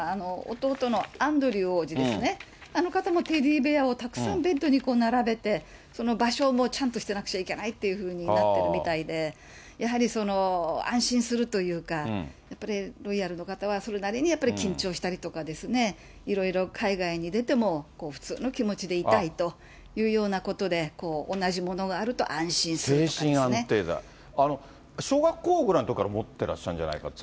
弟のアンドリュー王子ですね、あの方もテディベアをたくさんベッドに並べて、その場所もちゃんとしてなきゃいけないというふうになってるみたいで、やはり安心するというか、やっぱりロイヤルの方は、それなりにやっぱり緊張したりとかですね、いろいろ海外に出ても、普通の気持ちでいたいというようなことで、精神安定剤。小学校ぐらいのときから持ってらっしゃるんじゃないかと。